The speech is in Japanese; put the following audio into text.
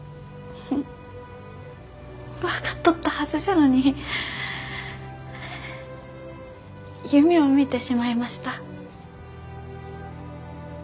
分かっとったはずじゃのに夢を見てしまいました。